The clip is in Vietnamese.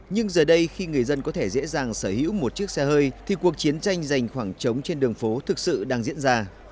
nhưng giờ đây khi người dân có thể dễ dàng sở hữu một chiếc xe hơi thì cuộc chiến tranh giành khoảng trống trên đường phố thực sự đang diễn ra